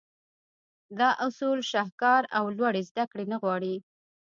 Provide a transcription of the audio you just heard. دا اصول شهکار او لوړې زدهکړې نه غواړي.